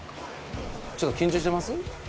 ちょっと緊張してます？